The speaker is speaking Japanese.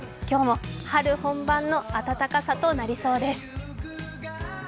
今日も春本番の暖かさとなりそうです。